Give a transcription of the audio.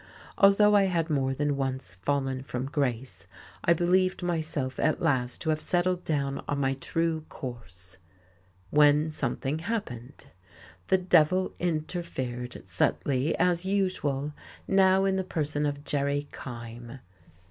Although I had more than once fallen from grace, I believed myself at last to have settled down on my true course when something happened. The devil interfered subtly, as usual now in the person of Jerry Kyme.